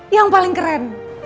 yang paling keren